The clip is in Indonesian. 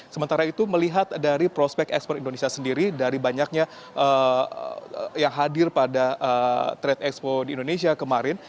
sementara itu melihat dari prospek ekspor indonesia sendiri dari banyaknya yang hadir pada trade expo di indonesia kemarin